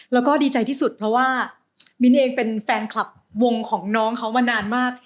แล้วก็ดีใจที่สุดเพราะว่ามิ้นเองเป็นแฟนคลับวงของน้องเขามานานมาก